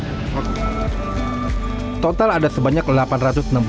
melalui dermaga komando lintas laut militer jakarta selain itu kapal ini juga mengangkut